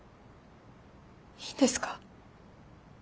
いいんですか？